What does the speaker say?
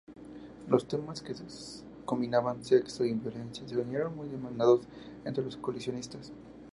Los temas que combinaban sexo y violencia se hicieron muy demandados entre los coleccionistas.